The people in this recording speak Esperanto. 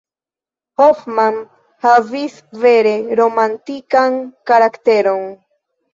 Hoffmann havis vere romantikan karakteron.